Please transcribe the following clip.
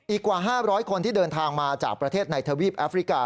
กว่า๕๐๐คนที่เดินทางมาจากประเทศในทวีปแอฟริกา